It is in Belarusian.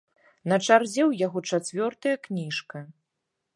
На чарзе ў яго чацвёртая кніжка.